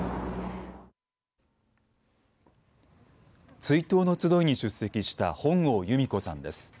追悼の集いに出席した本郷由美子さんです。